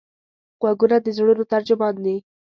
غوږونه د زړونو ترجمان دي